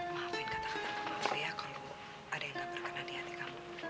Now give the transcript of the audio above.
maafin kata kata kemampu ya kamu ada yang gak berkenan di hati kamu